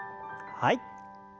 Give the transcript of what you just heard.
はい。